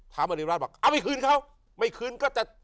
อริราชบอกเอาไปคืนเขาไม่คืนก็จะ